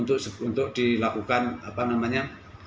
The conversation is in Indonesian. untuk dilakukan apa namanya